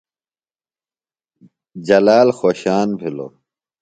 جلال خوۡشان بِھلوۡ۔